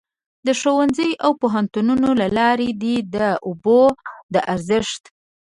د ښوونځیو او پوهنتونونو له لارې دې د اوبو د ارزښت.